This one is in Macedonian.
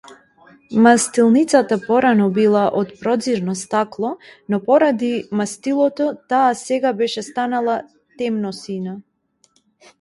Мастилницата порано била од проѕирно стакло, но поради мастилото таа сега беше станала темносина.